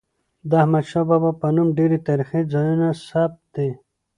د احمدشاه بابا په نوم ډیري تاریخي ځایونه ثبت دي.